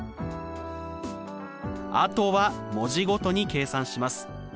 あとは文字ごとに計算します。